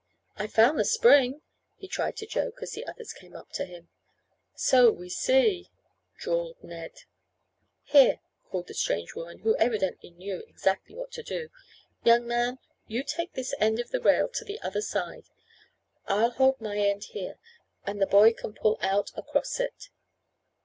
"I found the spring," he tried to joke, as the others came up to him. "So we see," drawled Ned. "Here," called the strange woman, who evidently knew exactly what to do. "Young man, you take this end of the rail to the other side. I'll hold my end here, and the boy can pull out across it."